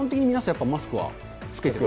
やっぱりマスクは着けてますね。